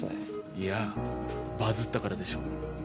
いやバズったからでしょう。